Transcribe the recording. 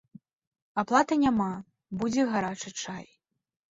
Аплаты няма, будзе гарачы чай.